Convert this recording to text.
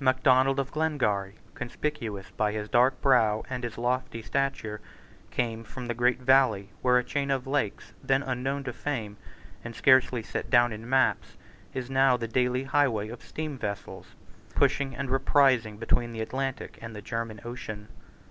Macdonald of Glengarry, conspicuous by his dark brow and his lofty stature, came from that great valley where a chain of lakes, then unknown to fame, and scarcely set down in maps, is now the daily highway of steam vessels passing and reprising between the Atlantic and the German Ocean.